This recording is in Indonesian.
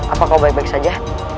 apa kau baik baik saja